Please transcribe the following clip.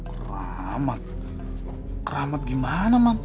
keramat keramat gimana man